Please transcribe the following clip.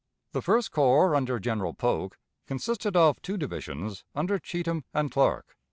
The First Corps, under General Polk, consisted of two divisions, under Cheatham and Clark.